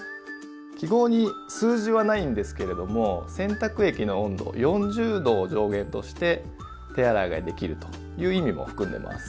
記号に数字はないんですけれども洗濯液の温度４０℃を上限として手洗いができるという意味も含んでます。